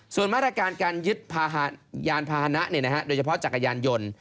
ส่วนมาตรการการยึดยานพาหนะโดยเฉพาะจักรยานยนต์